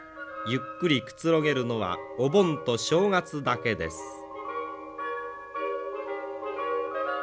ゆっくりくつろげるのはお盆と正月だけです。